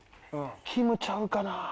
きむちゃうかな？